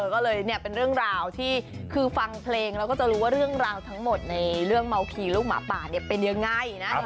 ก็เลยเนี่ยเป็นเรื่องราวที่คือฟังเพลงแล้วก็จะรู้ว่าเรื่องราวทั้งหมดในเรื่องเมาคีลูกหมาป่าเนี่ยเป็นยังไงนะ